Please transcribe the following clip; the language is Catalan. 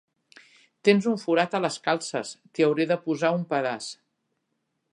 Tens un forat a les calces: t'hi hauré de posar un pedaç.